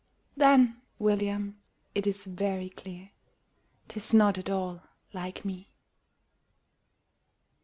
"Then, William, it is very clear 'Tis not at all LIKE ME!"